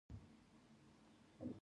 آیا ګرافیک ډیزاینران کار لري؟